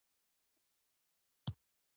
د کار زده کولو پۀ بهانه د آهنګرانو سره دېره کړل